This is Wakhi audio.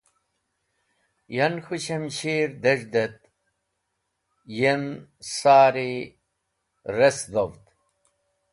Yan, k̃hũ shamshir dez̃hd et yem sari resdhovd.